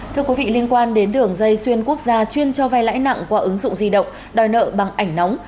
thưa quý vị liên quan đến đường dây xuyên quốc gia chuyên cho vay lãi nặng qua ứng dụng di động đòi nợ bằng ảnh nóng